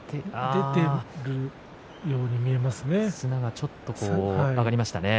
出ているように見えますね。